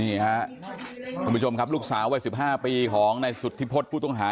นี่ครับคุณผู้ชมครับลูกสาวว่า๑๕ปีของในสุธิพจน์ผู้ต้องหา